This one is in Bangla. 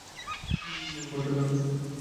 মাল ময়দানে রাখা ছিল।